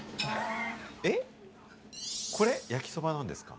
これ、焼きそばなんですか？